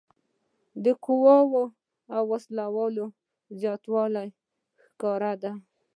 د قواوو او وسلو زیاتوالی ښکارېده.